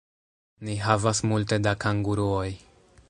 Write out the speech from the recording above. Ni havas multe da kanguruoj